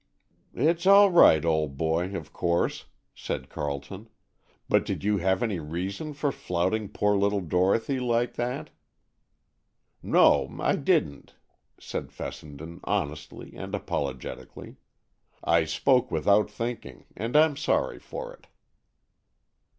"It's all right, old boy, of course," said Carleton, "but did you have any reason for flouting poor little Dorothy like that?" "No, I didn't," said Fessenden honestly and apologetically. "I spoke without thinking, and I'm sorry for it."